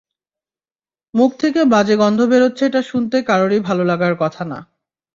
মুখ থেকে বাজে গন্ধ বেরোচ্ছে এটা শুনতে কারওরই ভালো লাগার কথা না।